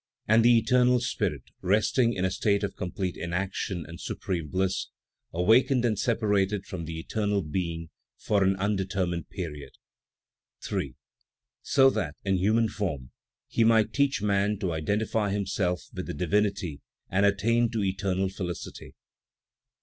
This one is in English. And the eternal Spirit, resting in a state of complete inaction and supreme bliss, awakened and separated from the eternal Being, for an undetermined period, 3. So that, in human form, He might teach man to identify himself with the Divinity and attain to eternal felicity; 4.